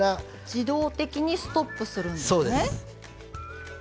自動的にストップするんですね。